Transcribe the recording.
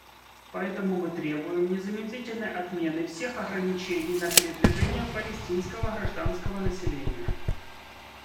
Поэтому мы требуем незамедлительной отмены всех ограничений на передвижение палестинского гражданского населения.